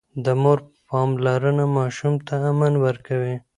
د مور پاملرنه ماشوم ته امن ورکوي.